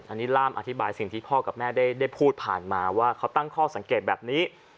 อันนี้ล่ามอธิบายสิ่งที่พ่อกับแม่ได้พูดผ่านมาว่าเขาตั้งข้อสังเกตแบบนี้